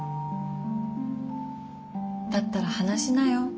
だったら話しなよ